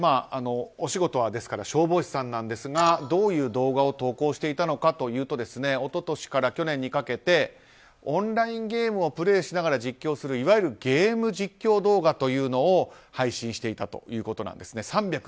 お仕事は消防士さんなんですがどういう動画を投稿していたのかというと一昨年から去年にかけてオンラインゲームをプレーしながら実況するいわゆるゲーム実況動画というのを配信していたということなんですね。